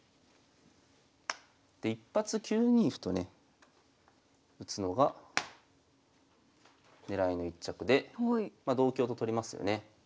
で一発９二歩とね打つのが狙いの一着でま同香と取りますよね。